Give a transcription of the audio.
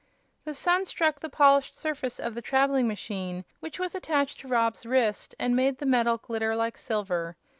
The sun struck the polished surface of the traveling machine which was attached to Rob's wrist and made the metal glitter like silver.